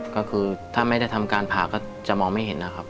ก็คือถ้าไม่ได้ทำการผ่าก็จะมองไม่เห็นนะครับ